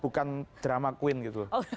bukan drama queen gitu